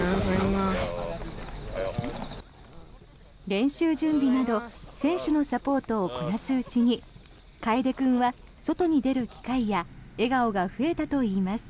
練習準備など選手のサポートをこなすうちに楓君は外に出る機会や笑顔が増えたといいます。